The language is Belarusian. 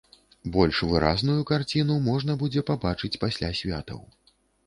Больш выразную карціну можна будзе пабачыць пасля святаў.